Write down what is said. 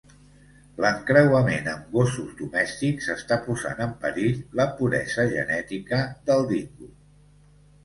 L'encreuament amb gossos domèstics està posant en perill la puresa genètica del dingo.